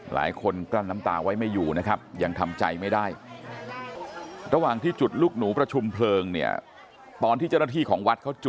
หลายคนกล้านน้ำตาไว้ไม่อยู่นะครับยังทำใจไม่ได้ระหว่างที่จุดลูกหนูพระชุมเผลิง